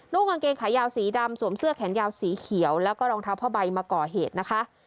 กางเกงขายาวสีดำสวมเสื้อแขนยาวสีเขียวแล้วก็รองเท้าผ้าใบมาก่อเหตุนะคะ